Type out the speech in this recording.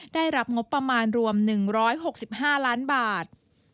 ได้รับงบประมาณรวม๑๖๕ล้านบาท